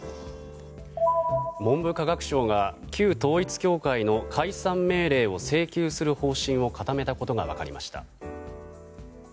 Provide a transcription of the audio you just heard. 文部科学省が旧統一教会の解散命令を請求する方針を固めたことが分かりました。